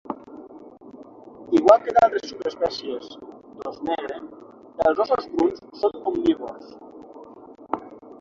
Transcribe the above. Igual que d'altres subespècies d'os negre, els ossos bruns són omnívors.